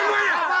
itu nadia pak